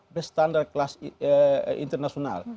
best standards kelas internasional